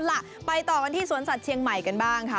ล่ะไปต่อกันที่สวนสัตว์เชียงใหม่กันบ้างค่ะ